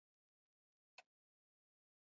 د امتیازونو په ورکړه کې دا ډول توپیرونه لامل کېده.